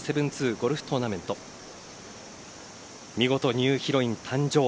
ゴルフトーナメント見事ニューヒロイン誕生。